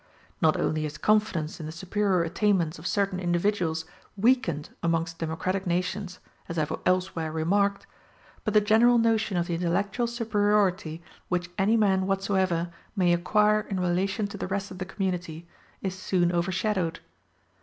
Not only is confidence in the superior attainments of certain individuals weakened amongst democratic nations, as I have elsewhere remarked, but the general notion of the intellectual superiority which any man whatsoever may acquire in relation to the rest of the community is soon overshadowed.